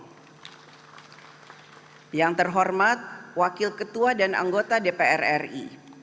yang terhormat wakil ketua dan anggota dpr ri